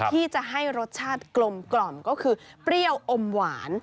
ที่จะให้รสชาติกลมก็คือเปรี้ยวอมหวาน